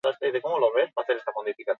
Aljebraren aitzindarietako bat izan zen.